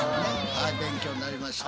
はい勉強になりました。